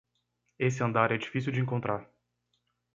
Esse andar é difícil de encontrar